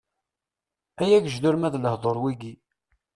Ay agejdur ma lehduṛ wigi!